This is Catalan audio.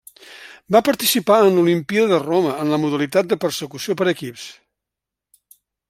Va participar en l'Olimpíada de Roma en la modalitat de persecució per equips.